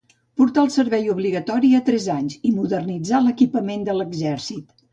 Portà el servei obligatori a tres anys i modernitzà l'equipament de l'exèrcit.